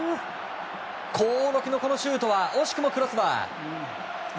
興梠のシュートは惜しくもクロスバー。